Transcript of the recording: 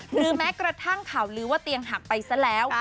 หรือแม้กระทั่งข่าวลือว่าเตียงหักไปซะแล้ว